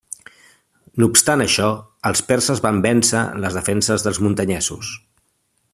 No obstant això, els perses van vèncer les defenses dels muntanyesos.